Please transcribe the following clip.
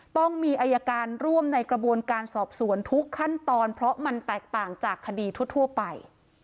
ต้องมีอายการร่วมในกระบวนการสอบสวนทุกขั้นตอนเพราะมันแตกต่างจากคดีทั่วไป